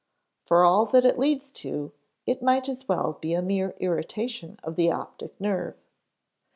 For all that it leads to, it might as well be a mere irritation of the optic nerve.